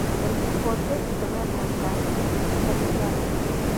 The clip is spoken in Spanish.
El Quijote" y "Te voy a contar... la Ilíada".